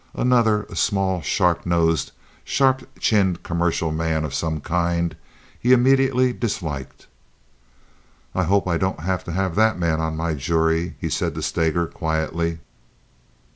Another, a small, sharp nosed, sharp chinned commercial man of some kind, he immediately disliked. "I hope I don't have to have that man on my jury," he said to Steger, quietly.